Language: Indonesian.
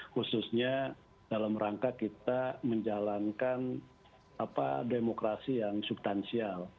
khususnya dalam rangka kita menjalankan demokrasi yang subtansial